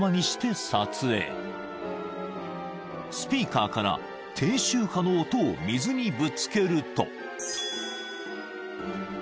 ［スピーカーから低周波の音を水にぶつけると］